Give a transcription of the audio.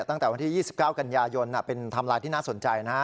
ตั้งแต่วันที่๒๙กันยายนเป็นไทม์ไลน์ที่น่าสนใจนะฮะ